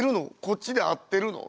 こっちで合ってるの？